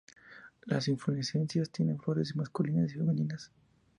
Las inflorescencias tienen flores masculinas y femeninas.